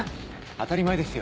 当たり前ですよ。